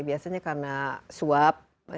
biasanya karena suap ya gratifikasi